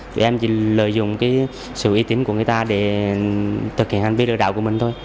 tụi em chỉ lợi dụng cái sự uy tín của người ta để thực hiện hành vi lừa đảo của mình thôi